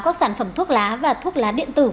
các sản phẩm thuốc lá và thuốc lá điện tử